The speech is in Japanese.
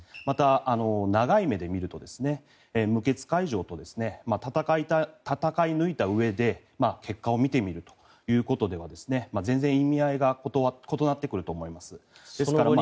また、長い目で見ると無血開城と戦い抜いたうえで結果を見てみるということでは全然、意味合いが異なってくると思います。